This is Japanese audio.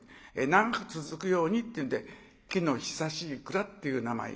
長く続くようにっていうんで木の久しい蔵っていう名前頂きまして。